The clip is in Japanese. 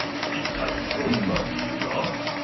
一体どんな理由が？